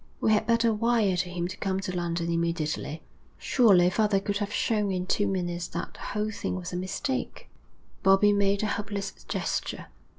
We had better wire to him to come to London immediately.' 'Surely father could have shown in two minutes that the whole thing was a mistake.' Bobbie made a hopeless gesture.